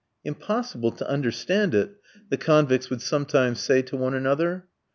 "Impossible to understand it," the convicts would sometimes say to one another.